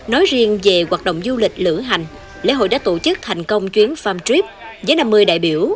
nói riêng về hoạt động du lịch lửa hành lễ hội đã tổ chức thành công chuyến farm trip với năm mươi đại biểu